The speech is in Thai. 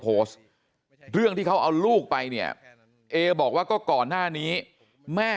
โพสต์เรื่องที่เขาเอาลูกไปเนี่ยเอบอกว่าก็ก่อนหน้านี้แม่